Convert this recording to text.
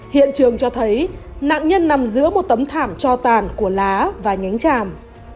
hiện trường cho thấy nạn nhân nằm giữa một tấm thảm cho tàn của lá và nhánh tràm